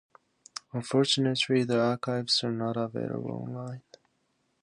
Unfortunately the archives are not available online.